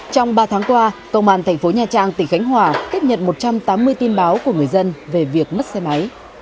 trong ba tháng qua công an thành phố nha trang tỉnh khánh hòa tiếp nhận một trăm tám mươi tin báo của người dân về việc mất xe máy